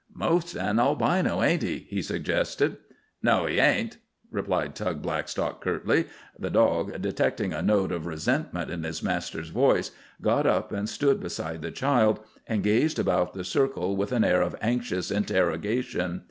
"Most an albino, ain't he?" he suggested. "No, he ain't," replied Tug Blackstock, curtly. The dog, detecting a note of resentment in his master's voice, got up and stood beside the child, and gazed about the circle with an air of anxious interrogation.